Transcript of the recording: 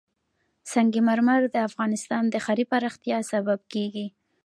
سنگ مرمر د افغانستان د ښاري پراختیا سبب کېږي.